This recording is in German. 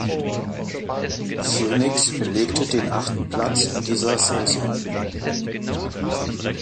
Phönix belegte den achten Platz in dieser Saison.